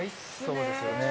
そうですね。